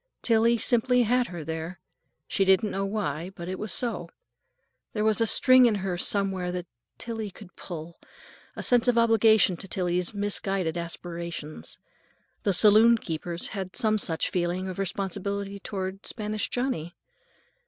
Tillie simply had her, there. She didn't know why, but it was so. There was a string in her somewhere that Tillie could pull; a sense of obligation to Tillie's misguided aspirations. The saloon keepers had some such feeling of responsibility toward Spanish Johnny.